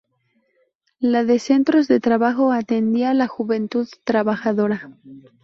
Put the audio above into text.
La de Centros de Trabajo atendía a la juventud trabajadora.